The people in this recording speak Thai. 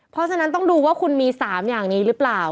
เพราะฉะนั้นต้องดูว่าคุณมี๓อย่างนี้หรือเปล่า